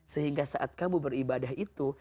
sehingga saat kamu beribadah itu